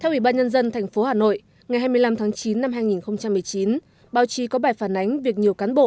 theo ủy ban nhân dân tp hà nội ngày hai mươi năm tháng chín năm hai nghìn một mươi chín báo chí có bài phản ánh việc nhiều cán bộ